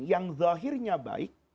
yang zahirnya baik